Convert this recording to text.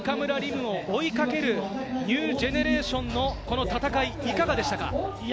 夢を追いかける、ニュージェネショーンの戦い、いかがでしたか？